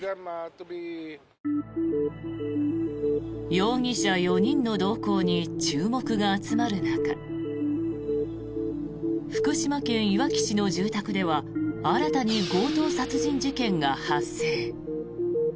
容疑者４人の動向に注目が集まる中福島県いわき市の住宅では新たに強盗殺人事件が発生。